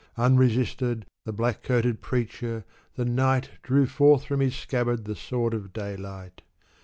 Unresisted, the black coated preacher, the night, Drew forth from his scabbard the sword of daylight.